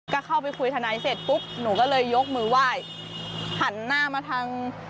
ก็เข้าไปคุยทนายเสร็จปุ๊บหนูก็เลยยกมือไหว้หันหน้ามาทาง